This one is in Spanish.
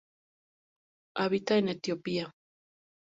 Habita en Etiopía.